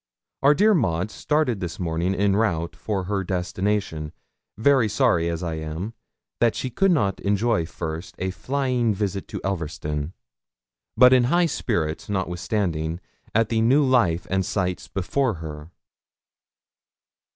Our dear Maud started this morning en route for her destination, very sorry, as am I, that she could not enjoy first a flying visit to Elverston, but in high spirits, notwithstanding, at the new life and sights before her.'